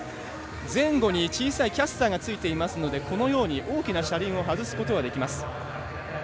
前後に小さいキャスターがついていますのでこのように大きな車輪を外すことができます。